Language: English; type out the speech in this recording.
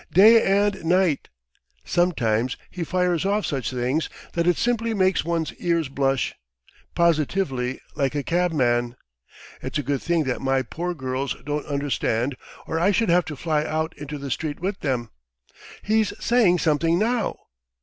Day and night! Sometimes he fires off such things that it simply makes one's ears blush! Positively like a cabman. It's a good thing that my poor girls don't understand or I should have to fly out into the street with them. .. He's saying something now!